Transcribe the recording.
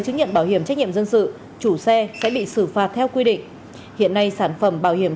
chứng nhận bảo hiểm trách nhiệm dân sự chủ xe sẽ bị xử phạt theo quy định hiện nay sản phẩm bảo hiểm